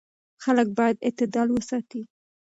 خلک باید اعتدال وساتي.